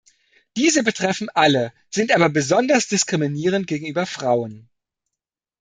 Diese betreffen alle, sind aber besonders diskriminierend gegenüber Frauen.